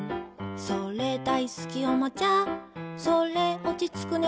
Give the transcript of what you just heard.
それ、大好きおもちゃそれ、落ちつく寝